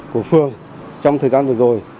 của phương trong thời gian vừa rồi